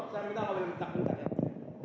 saya minta ahli bentak bentak